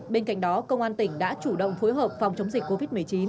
bên cạnh đó công an tỉnh đã chủ động phối hợp phòng chống dịch covid một mươi chín